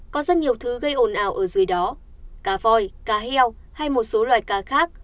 có rất nhiều thứ gây ồn ào ở dưới đó cá voi cá heo hay một số loài cá khác